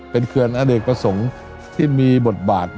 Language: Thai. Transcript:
เป็นเขื่อนอเนกประสงค์ที่มีบทบาท